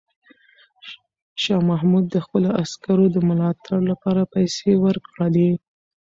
شاه محمود د خپلو عسکرو د ملاتړ لپاره پیسې ورکړې.